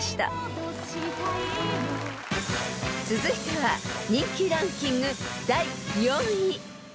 ［続いては人気ランキング第４位］